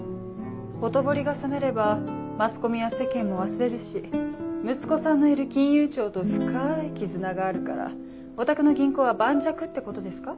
ほとぼりが冷めればマスコミや世間も忘れるし息子さんのいる金融庁と深い絆があるからおたくの銀行は盤石ってことですか？